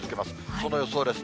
その予想です。